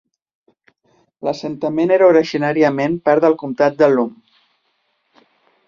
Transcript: L'assentament era originàriament part del comtat de Loon.